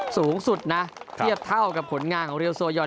สูงสุดนะเทียบเท่ากับผลงานของเรียลโซยอน